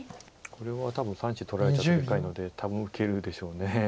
これは多分３子取られちゃうとでかいので多分受けるでしょう。